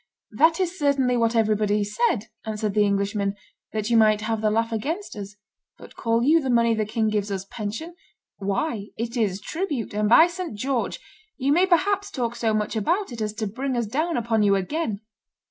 "That is certainly what everybody said," answered the Englishman, "that you might have the laugh against us. But call you the money the king gives us pension? Why, it is tribute; and, by St. George, you may perhaps talk so much about it as to bring us down upon you again!"